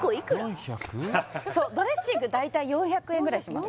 ４００ドレッシング大体４００円ぐらいします